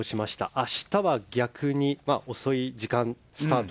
明日は逆に遅い時間にスタート。